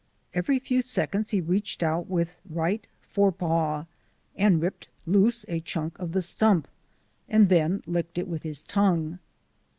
Every few seconds he reached out with right fore paw and ripped loose a chunk of the stump, and then licked it with his tongue.